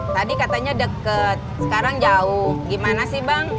tadi katanya deket sekarang jauh gimana sih bang